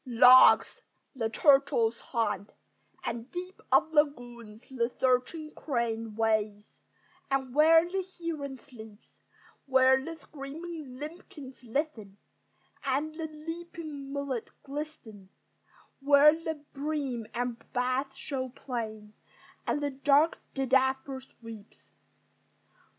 Logs, the turtles haunt; and deeps Of lagoons the searching crane Wades; and where the heron sleeps; Where the screaming limpkins listen, And the leaping mullet glisten; Where the bream and bass show plain, And the dark didapper sweeps.